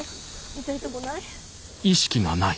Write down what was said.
痛いとこない？